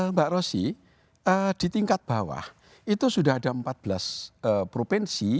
mbak rosy di tingkat bawah itu sudah ada empat belas provinsi